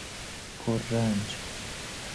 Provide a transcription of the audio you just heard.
پررنج